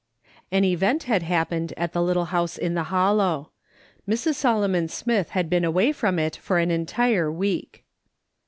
An event had happened at the little house in the Hollow. Mrs. Solomon Smith had been away from it for an entire week.